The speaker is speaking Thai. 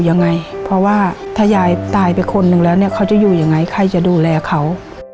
ยังไงเพราะว่าถ้ายายตายไปคนหนึ่งแล้วเนี่ยเขาจะอยู่ยังไงใครจะดูแลเขา